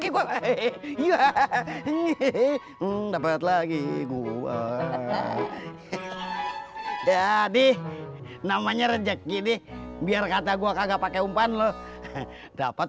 gue dapet lagi gua jadi namanya rejeki nih biar kata gua kagak pakai umpan lu dapat